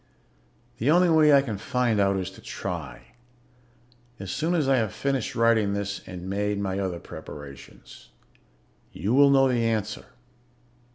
The only way I can find out is to try, as soon as I have finished writing this and made my other preparations. "You will know the answer.